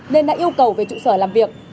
nên đã yêu cầu về trụ sở làm việc